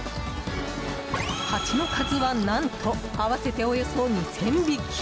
ハチの数は、何と合わせておよそ２０００匹。